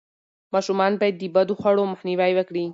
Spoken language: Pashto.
ماشومان باید د بدخواړو مخنیوی وکړي.